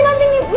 ndina kesini lagi